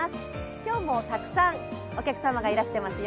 今日もたくさんお客様がいらしてますよ。